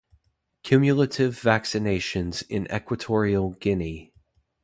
Cumulative vaccinations in Equatorial Guinea